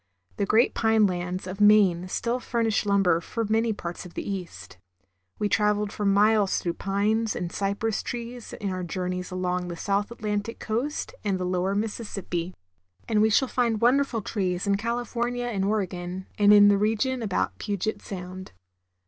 The great pine lands of Maine still furnish lum ber for many fjarts of the East. We traveled for miles through pine and cypress trees in our journeys along the South Atlantic coast and the lower Mississippi, and we 1 86 THE GREAT LAKES. shall find wonderful trees in California and Oregon, and in the region about Puget Sound.